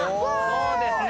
そうですね。